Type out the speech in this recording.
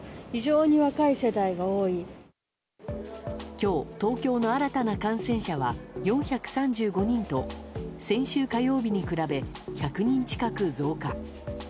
今日、東京の新たな感染者は４３５人と先週火曜日に比べ１００人近く増加。